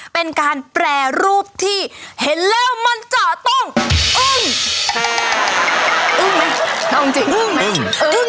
เป็นการแปรรูปที่เห็นแล้วมันจะต้องอึ้งอึ้งไหม